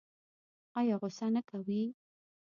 ایا غوسه نه کوي؟